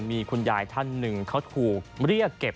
มีคุณยายท่านหนึ่งเขาถูกเรียกเก็บ